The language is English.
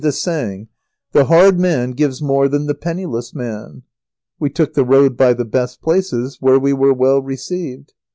He repeated this saying, "The hard man gives more than the penniless man." We took the road by the best places, where we were well received.